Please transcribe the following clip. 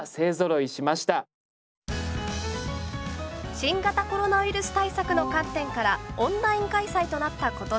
新型コロナウイルス対策の観点からオンライン開催となった今年。